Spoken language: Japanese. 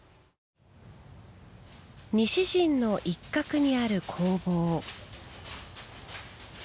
西陣の一角にある工房。